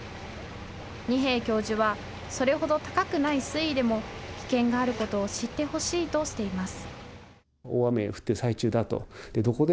二瓶教授はそれほど高くない水位でも危険があることを知ってほしいとしています。